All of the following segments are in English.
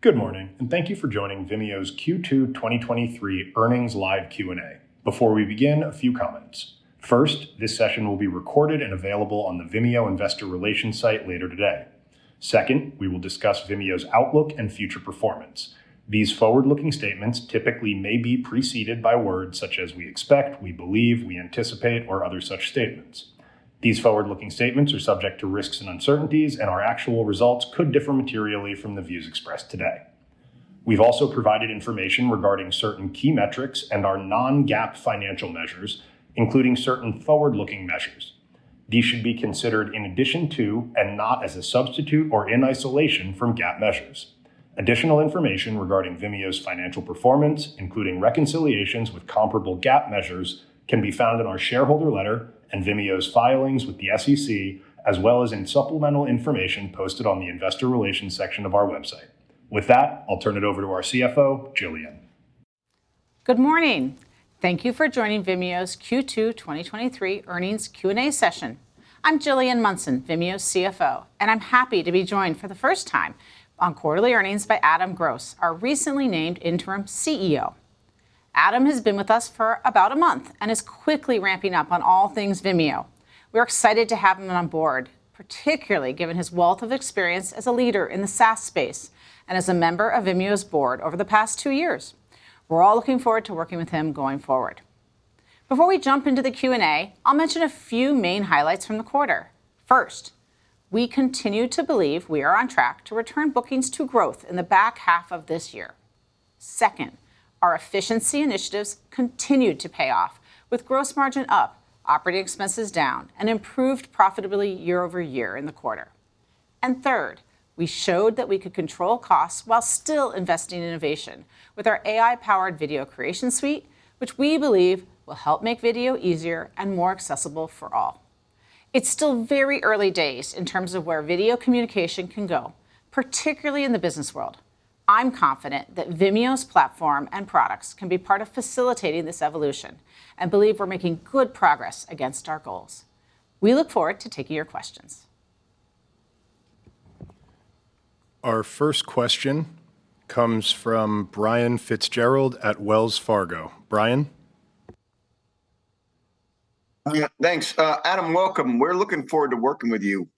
Good morning, thank you for joining Vimeo's Q2 2023 Earnings Live Q&A. Before we begin, a few comments. First, this session will be recorded and available on the Vimeo Investor Relations site later today. Second, we will discuss Vimeo's outlook and future performance. These forward-looking statements typically may be preceded by words such as "we expect," "we believe," "we anticipate," or other such statements. These forward-looking statements are subject to risks and uncertainties, and our actual results could differ materially from the views expressed today. We've also provided information regarding certain key metrics and our non-GAAP financial measures, including certain forward-looking measures. These should be considered in addition to, and not as a substitute or in isolation from, GAAP measures. Additional information regarding Vimeo's financial performance, including reconciliations with comparable GAAP measures, can be found in our shareholder letter and Vimeo's filings with the SEC, as well as in supplemental information posted on the Investor Relations section of our website. With that, I'll turn it over to our CFO, Gillian. Good morning. Thank you for joining Vimeo's Q2 2023 earnings Q&A session. I'm Gillian Munson, Vimeo's CFO, and I'm happy to be joined for the first time on quarterly earnings by Adam Gross, our recently named Interim CEO. Adam has been with us for about a month and is quickly ramping up on all things Vimeo. We're excited to have him on board, particularly given his wealth of experience as a leader in the SaaS space and as a member of Vimeo's board over the past two years. We're all looking forward to working with him going forward. Before we jump into the Q&A, I'll mention a few main highlights from the quarter. First, we continue to believe we are on track to return bookings to growth in the back half of this year. Second, our efficiency initiatives continued to pay off, with gross margin up, operating expenses down, and improved profitability year-over-year in the quarter. Third, we showed that we could control costs while still investing in innovation with our AI-powered video creation suite, which we believe will help make video easier and more accessible for all. It's still very early days in terms of where video communication can go, particularly in the business world. I'm confident that Vimeo's platform and products can be part of facilitating this evolution, and believe we're making good progress against our goals. We look forward to taking your questions. Our first question comes from Brian Fitzgerald at Wells Fargo. Brian? Yeah, thanks. Adam, welcome. We're looking forward to working with you.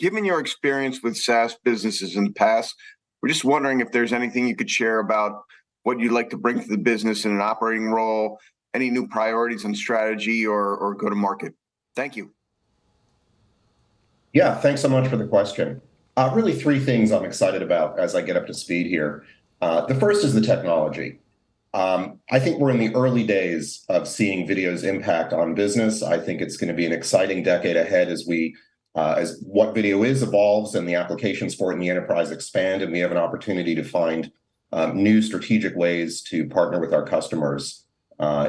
Given your experience with SaaS businesses in the past, we're just wondering if there's anything you could share about what you'd like to bring to the business in an operating role, any new priorities in strategy or, or go-to-market? Thank you. Yeah, thanks so much for the question. Really three things I'm excited about as I get up to speed here. The first is the technology. I think we're in the early days of seeing video's impact on business. I think it's gonna be an exciting decade ahead as we as what video is evolves and the applications for it in the enterprise expand, and we have an opportunity to find new strategic ways to partner with our customers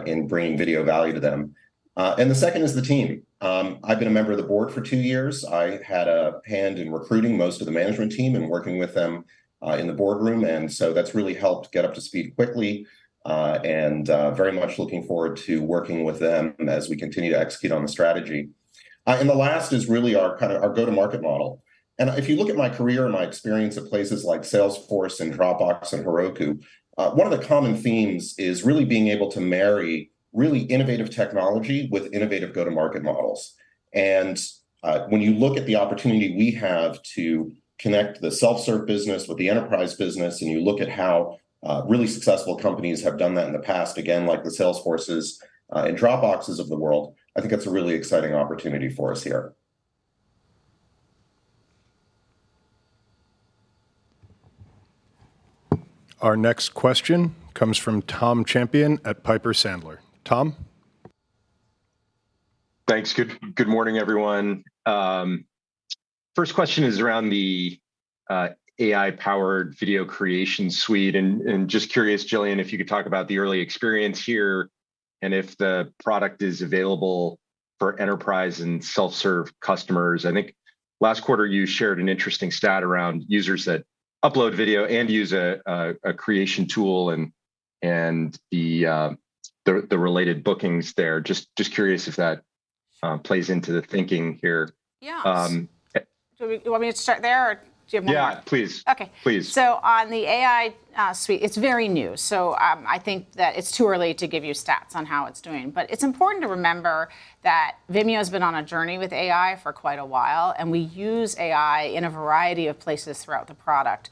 in bringing video value to them. The second is the team. I've been a member of the board for two years. I had a hand in recruiting most of the management team and working with them in the boardroom, and so that's really helped get up to speed quickly. Very much looking forward to working with them as we continue to execute on the strategy. The last is really our kind of our go-to-market model. If you look at my career and my experience at places like Salesforce and Dropbox and Heroku, one of the common themes is really being able to marry really innovative technology with innovative go-to-market models. When you look at the opportunity we have to connect the self-serve business with the enterprise business, and you look at how really successful companies have done that in the past, again, like the Salesforces and Dropboxes of the world, I think it's a really exciting opportunity for us here. Our next question comes from Tom Champion at Piper Sandler. Tom? Thanks. Good, good morning, everyone. First question is around the AI-powered video creation suite, and just curious, Jillian, if you could talk about the early experience here and if the product is available for enterprise and self-serve customers. I think last quarter, you shared an interesting stat around users that upload video and use a creation tool and the related bookings there. Just curious if that plays into the thinking here. Yeah. Um... Do you want me to start there, or do you have more? Yeah, please. Okay. Please. On the AI suite, it's very new, so I think that it's too early to give you stats on how it's doing. It's important to remember that Vimeo's been on a journey with AI for quite a while, and we use AI in a variety of places throughout the product,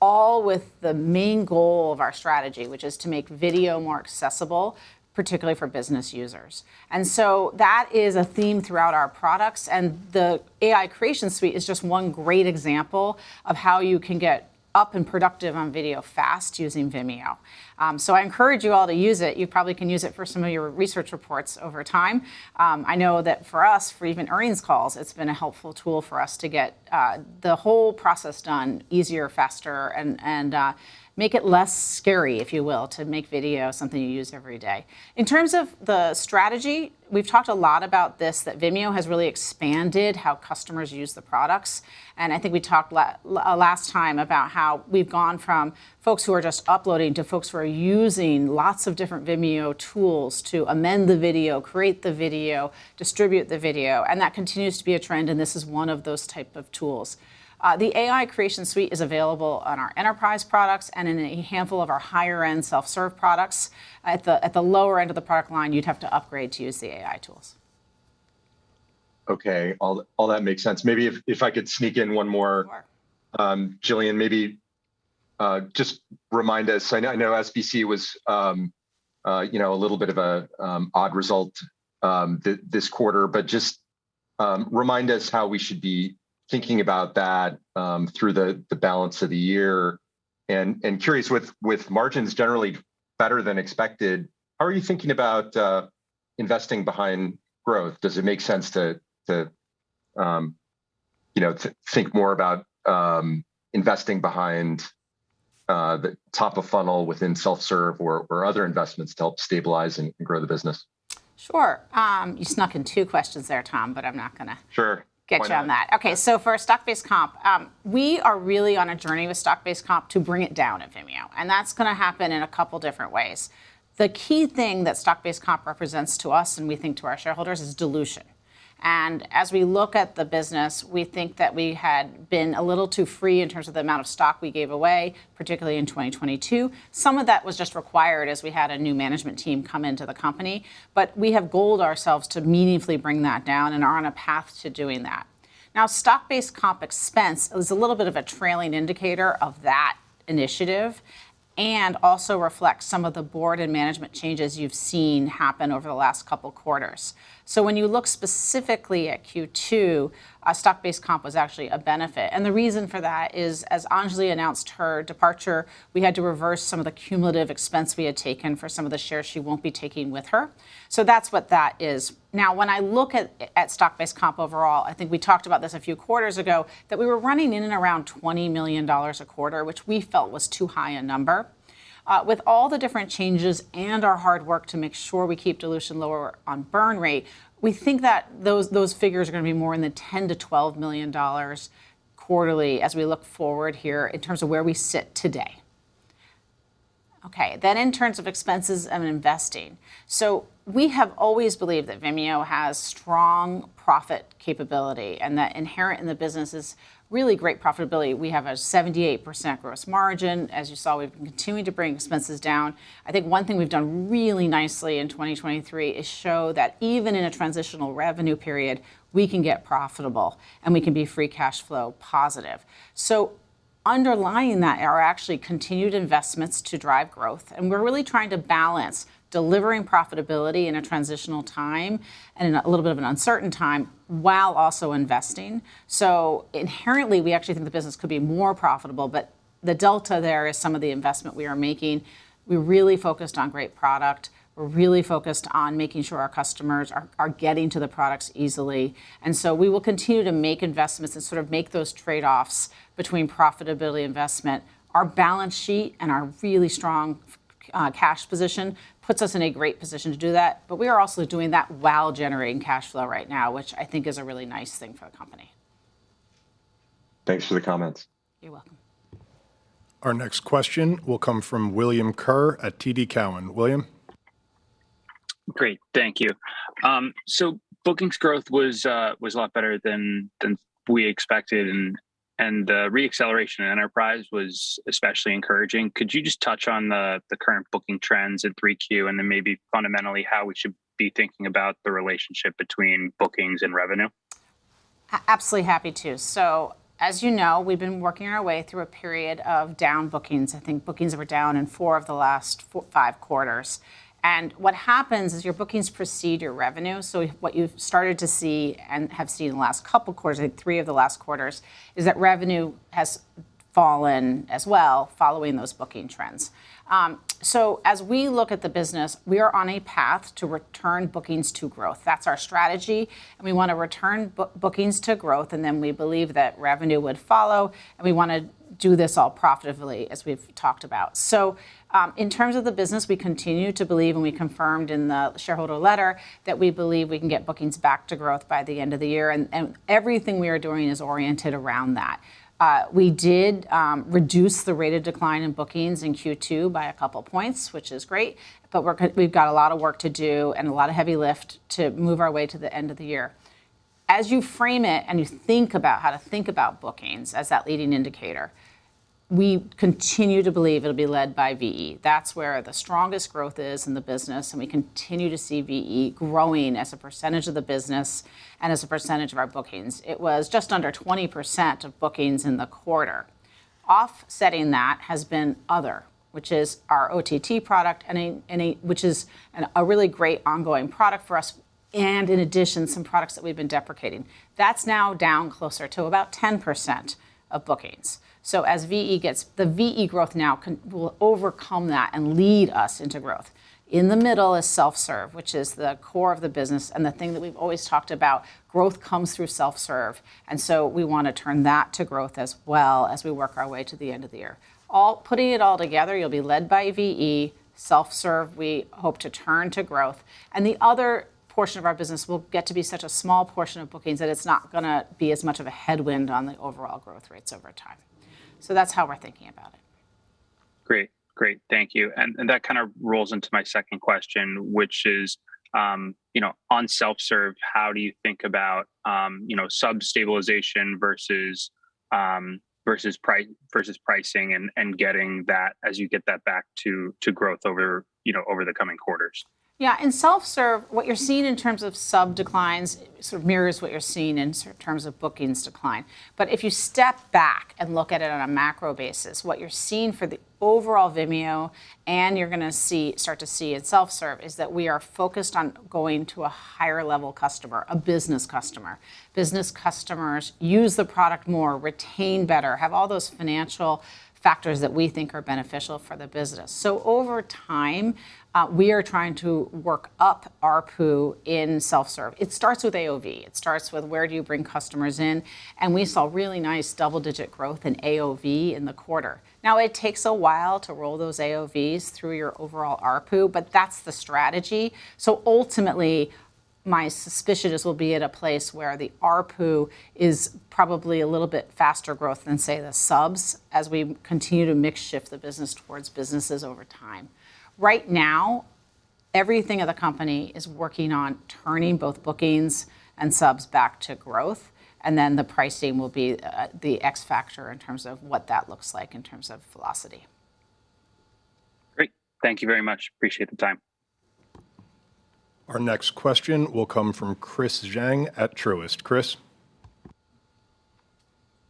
all with the main goal of our strategy, which is to make video more accessible, particularly for business users. That is a theme throughout our products, and the AI creation suite is just one great example of how you can get up and productive on video fast using Vimeo. I encourage you all to use it. You probably can use it for some of your research reports over time. I know that for us, for even earnings calls, it's been a helpful tool for us to get the whole process done easier, faster, and make it less scary, if you will, to make video something you use every day. In terms of the strategy, we've talked a lot about this, that Vimeo has really expanded how customers use the products, and I think we talked last time about how we've gone from folks who are just uploading to folks who are using lots of different Vimeo tools to amend the video, create the video, distribute the video, and that continues to be a trend, and this is one of those type of tools. The AI creation suite is available on our enterprise products and in a handful of our higher-end self-serve products. At the lower end of the product line, you'd have to upgrade to use the AI tools. Okay, all, all that makes sense. Maybe if, if I could sneak in one more. Sure. Gillian, maybe just remind us. I know, I know SBC was, you know, a little bit of an odd result this quarter, but just remind us how we should be thinking about that through the balance of the year. Curious, with margins generally better than expected, how are you thinking about investing behind growth? Does it make sense to, to, you know, to think more about investing behind the top of funnel within self-serve or other investments to help stabilize and grow the business? Sure. You snuck in 2 questions there, Tom, but I'm not gonna- Sure. get you on that. Why not? For our stock-based comp, we are really on a journey with stock-based comp to bring it down at Vimeo. That's gonna happen in two different ways. The key thing that stock-based comp represents to us, and we think to our shareholders, is dilution. As we look at the business, we think that we had been a little too free in terms of the amount of stock we gave away, particularly in 2022. Some of that was just required, as we had a new management team come into the company. We have goaled ourselves to meaningfully bring that down and are on a path to doing that. Stock-based comp expense is a little bit of a trailing indicator of that initiative and also reflects some of the board and management changes you've seen happen over the last two quarters. When you look specifically at Q2, our stock-based comp was actually a benefit, and the reason for that is, as Anjali announced her departure, we had to reverse some of the cumulative expense we had taken for some of the shares she won't be taking with her. That's what that is. When I look at, at stock-based comp overall, I think we talked about this a few quarters ago, that we were running in and around $20 million a quarter, which we felt was too high a number. With all the different changes and our hard work to make sure we keep dilution lower on burn rate, we think that those, those figures are gonna be more in the $10 million-$12 million quarterly as we look forward here in terms of where we sit today. In terms of expenses and investing. We have always believed that Vimeo has strong profit capability, and that inherent in the business is really great profitability. We have a 78% gross margin. As you saw, we've continued to bring expenses down. I think one thing we've done really nicely in 2023 is show that even in a transitional revenue period, we can get profitable and we can be free cash flow positive. Underlying that are actually continued investments to drive growth, and we're really trying to balance delivering profitability in a transitional time and in a little bit of an uncertain time, while also investing. Inherently, we actually think the business could be more profitable, but the delta there is some of the investment we are making. We're really focused on great product. We're really focused on making sure our customers are, are getting to the products easily. We will continue to make investments and sort of make those trade-offs between profitability investment. Our balance sheet and our really strong cash position puts us in a great position to do that, but we are also doing that while generating cash flow right now, which I think is a really nice thing for the company. Thanks for the comments. You're welcome. Our next question will come from William Kerr at TD Cowen. William? Great, thank you. bookings growth was a lot better than we expected, and the re-acceleration in enterprise was especially encouraging. Could you just touch on the current booking trends in 3Q, and then maybe fundamentally how we should be thinking about the relationship between bookings and revenue? Absolutely happy to. As you know, we've been working our way through a period of down bookings. I think bookings were down in four of the last five quarters. What happens is your bookings precede your revenue, so what you've started to see and have seen in the last couple quarters, I think three of the last quarters, is that revenue has fallen as well following those booking trends. As we look at the business, we are on a path to return bookings to growth. That's our strategy, and we want to return bookings to growth, and then we believe that revenue would follow, and we wanna do this all profitably, as we've talked about. In terms of the business, we continue to believe, and we confirmed in the shareholder letter, that we believe we can get bookings back to growth by the end of the year, and everything we are doing is oriented around that. We did reduce the rate of decline in bookings in Q2 by a couple points, which is great, but we've got a lot of work to do and a lot of heavy lift to move our way to the end of the year. As you frame it, and you think about how to think about bookings as that leading indicator, we continue to believe it'll be led by VE. That's where the strongest growth is in the business, and we continue to see VE growing as a percentage of the business and as a percentage of our bookings. It was just under 20% of bookings in the quarter. Offsetting that has been other, which is our OTT product, which is a really great ongoing product for us, and in addition, some products that we've been deprecating. That's now down closer to about 10% of bookings. As VE growth now will overcome that and lead us into growth. In the middle is self-serve, which is the core of the business and the thing that we've always talked about. Growth comes through self-serve, we wanna turn that to growth as well as we work our way to the end of the year. Putting it all together, you'll be led by VE. Self-serve, we hope to turn to growth. The other portion of our business will get to be such a small portion of bookings that it's not gonna be as much of a headwind on the overall growth rates over time. That's how we're thinking about it. Great. Great, thank you. That kind of rolls into my second question, which is, you know, on self-serve, how do you think about, you know, sub stabilization versus versus price, versus pricing and, and getting that as you get that back to, to growth over, you know, over the coming quarters? Yeah, in self-serve, what you're seeing in terms of sub declines sort of mirrors what you're seeing in terms of bookings decline. If you step back and look at it on a macro basis, what you're seeing for the overall Vimeo, and you're gonna start to see in self-serve, is that we are focused on going to a higher level customer, a business customer. Business customers use the product more, retain better, have all those financial factors that we think are beneficial for the business. Over time, we are trying to work up ARPU in self-serve. It starts with AOV. It starts with where do you bring customers in, and we saw really nice double-digit growth in AOV in the quarter. Now, it takes a while to roll those AOVs through your overall ARPU, but that's the strategy. Ultimately, my suspicion is we'll be at a place where the ARPU is probably a little bit faster growth than, say, the subs, as we continue to mix shift the business towards businesses over time. Right now, everything of the company is working on turning both bookings and subs back to growth, and then the pricing will be the X factor in terms of what that looks like in terms of velocity. Great. Thank you very much. Appreciate the time. Our next question will come from Chris Zhang at Truist. Chris?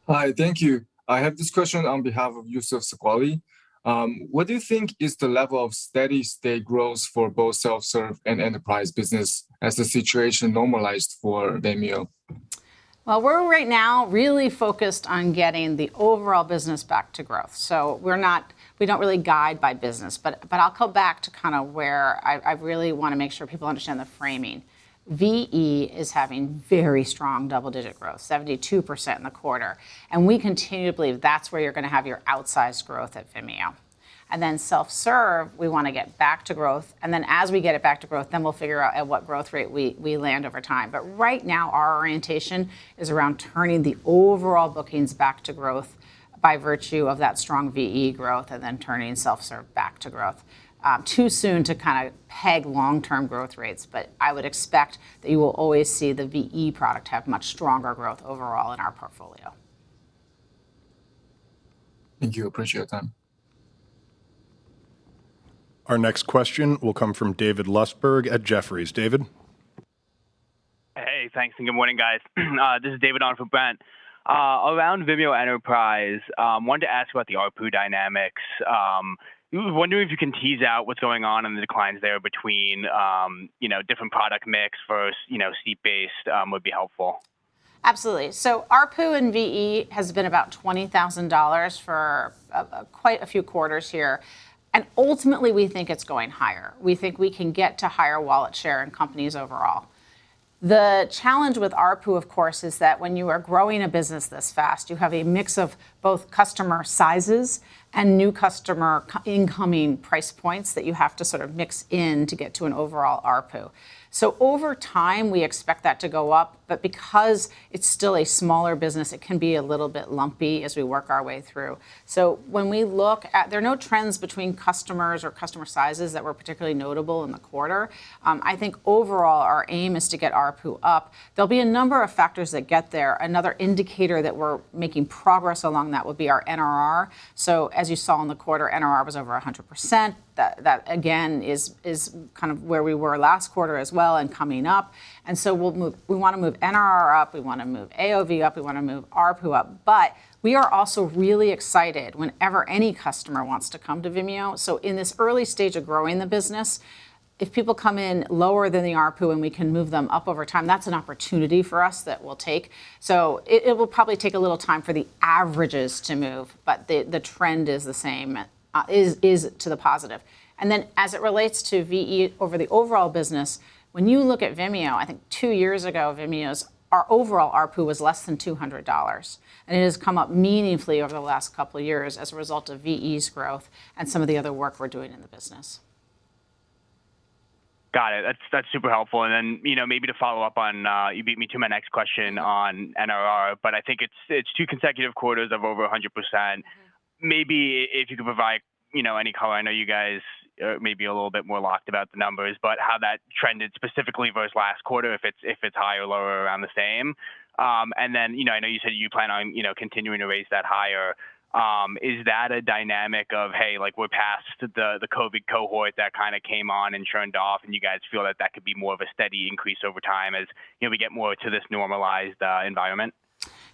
Hi, thank you. I have this question on behalf of Youssef Squali. What do you think is the level of steady-state growth for both self-serve and enterprise business as the situation normalized for Vimeo? Well, we're right now really focused on getting the overall business back to growth, so we don't really guide by business. I'll go back to kinda where I, I really wanna make sure people understand the framing. VE is having very strong double-digit growth, 72% in the quarter, and we continue to believe that's where you're gonna have your outsized growth at Vimeo. Then self-serve, we wanna get back to growth, and then as we get it back to growth, then we'll figure out at what growth rate we, we land over time. Right now, our orientation is around turning the overall bookings back to growth by virtue of that strong VE growth and then turning self-serve back to growth. too soon to kind of peg long-term growth rates, but I would expect that you will always see the VE product have much stronger growth overall in our portfolio. Thank you. Appreciate your time. Our next question will come from David Lustberg at Jefferies. David? Hey, thanks, and good morning, guys. This is David on for Brent. Around Vimeo Enterprise, wanted to ask about the ARPU dynamics. Wondering if you can tease out what's going on in the declines there between, you know, different product mix versus, you know, seat based, would be helpful. Absolutely. ARPU in VE has been about $20,000 for quite a few quarters here, and ultimately, we think it's going higher. We think we can get to higher wallet share in companies overall. The challenge with ARPU, of course, is that when you are growing a business this fast, you have a mix of both customer sizes and new customer incoming price points that you have to sort of mix in to get to an overall ARPU. Over time, we expect that to go up, but because it's still a smaller business, it can be a little bit lumpy as we work our way through. When we look at, there are no trends between customers or customer sizes that were particularly notable in the quarter. I think overall, our aim is to get ARPU up. There'll be a number of factors that get there. Another indicator that we're making progress along that would be our NRR. As you saw in the quarter, NRR was over 100%. That, that, again, is, is kind of where we were last quarter as well and coming up. We wanna move NRR up, we wanna move AOV up, we wanna move ARPU up, but we are also really excited whenever any customer wants to come to Vimeo. In this early stage of growing the business, if people come in lower than the ARPU and we can move them up over time, that's an opportunity for us that we'll take. It, it will probably take a little time for the averages to move, but the, the trend is the same, is, is to the positive. As it relates to VE over the overall business, when you look at Vimeo, I think two years ago, our overall ARPU was less than $200, and it has come up meaningfully over the last couple of years as a result of VE's growth and some of the other work we're doing in the business. Got it. That's, that's super helpful. You know, maybe to follow up on, you beat me to my next question on NRR, but I think it's two consecutive quarters of over 100%. Maybe i- if you could provide, you know, any color. I know you guys are maybe a little bit more locked about the numbers, but how that trended specifically versus last quarter, if it's, if it's higher or lower or around the same. You know, I know you said you plan on, you know, continuing to raise that higher. Is that a dynamic of, "Hey, like, we're past the, the COVID cohort that kinda came on and churned off," and you guys feel that that could be more of a steady increase over time as, you know, we get more to this normalized, environment?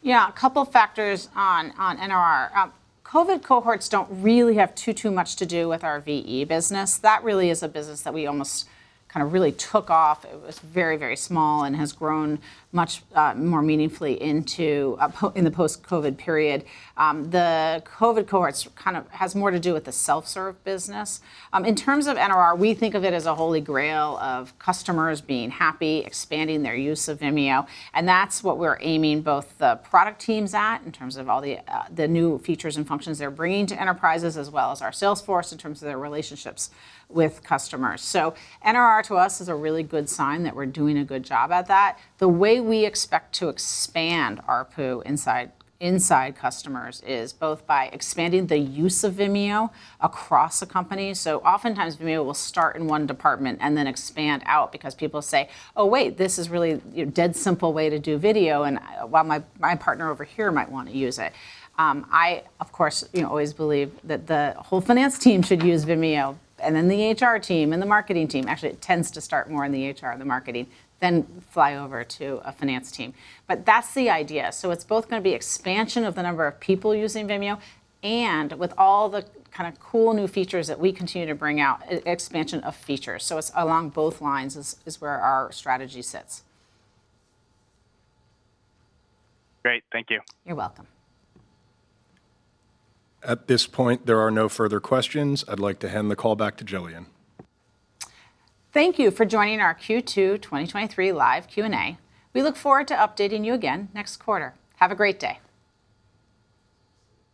Yeah, a couple factors on, on NRR. Covid cohorts don't really have too, too much to do with our VE business. That really is a business that we almost kind of really took off. It was very, very small and has grown much more meaningfully in the post-Covid period. The Covid cohorts kind of has more to do with the self-serve business. In terms of NRR, we think of it as a holy grail of customers being happy, expanding their use of Vimeo, and that's what we're aiming both the product teams at, in terms of all the new features and functions they're bringing to enterprises, as well as our sales force, in terms of their relationships with customers. NRR to us is a really good sign that we're doing a good job at that. The way we expect to expand ARPU inside, inside customers is both by expanding the use of Vimeo across a company. Oftentimes, Vimeo will start in one department and then expand out because people say, "Oh, wait, this is really, you know, dead simple way to do video, and, well, my, my partner over here might wanna use it." I, of course, you know, always believe that the whole finance team should use Vimeo, and then the HR team and the marketing team. Actually, it tends to start more in the HR and the marketing, then fly over to a finance team. That's the idea. It's both gonna be expansion of the number of people using Vimeo and with all the kinda cool new features that we continue to bring out, expansion of features. It's along both lines is where our strategy sits. Great. Thank you. You're welcome. At this point, there are no further questions. I'd like to hand the call back to Gillian. Thank you for joining our Q2 2023 Live Q&A. We look forward to updating you again next quarter. Have a great day!